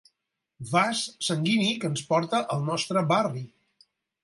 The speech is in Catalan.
Vas sanguini que ens porta al nostre barri.